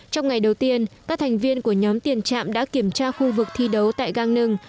trong ngày đầu tiên các thành viên của nhóm tiền trạm đã kiểm tra khu vực thi đấu tại gang nâng